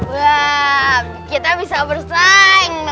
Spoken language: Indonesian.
wah kita bisa bersaing